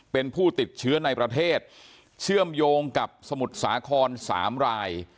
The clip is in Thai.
เป็นผู้ติดเชื้อในประเทศเชื่อมโยงกับสมุทรสาคร๓ราย